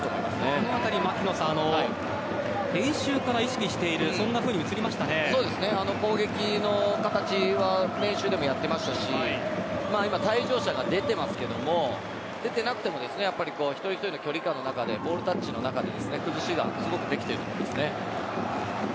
その辺り練習から意識している攻撃の形は練習でもやっていましたし今、退場者が出ていますが出ていなくても一人一人の距離感の中でボールタッチの中で崩しがすごくできているんですね。